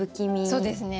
そうですね。